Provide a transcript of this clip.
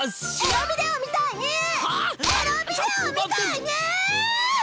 エロビデオみたいにー！